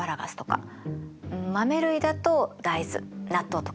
豆類だと大豆納豆とか。